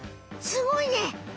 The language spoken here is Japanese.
すごいね。